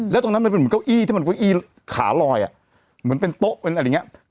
แล้วตรงนั้นมันเป็นเหมือนเก้าอี้ที่มันเก้าอี้ขาลอยอ่ะเหมือนเป็นโต๊ะเป็นอะไรอย่างนี้